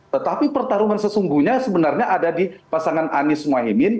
tetapi pertarungan sesungguhnya sebenarnya ada di pasangan anies mohaimin